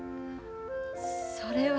それは。